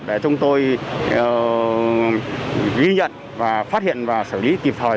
để chúng tôi ghi nhận và phát hiện và xử lý kịp thời